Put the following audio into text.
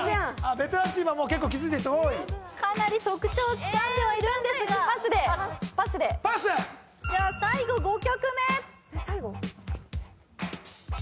ベテランチームはもう結構気づいている人多いかなり特徴をつかんではいるんですがパスでパスでパスじゃあ最後５曲目・えっ最後？